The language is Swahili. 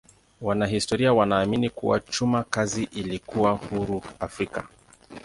Wanahistoria wanaamini kuwa chuma kazi ilikuwa huru Afrika.